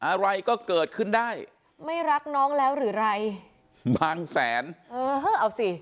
อะไรก็เกิดขึ้นได้ไม่รักน้องแล้วหรือไรบางแสนเออเอาสิ